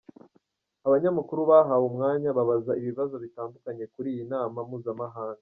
Abanyamakuru bahawe umwanya babaza ibibazo bitandukanye kuri iyi nama mpuzamahanga.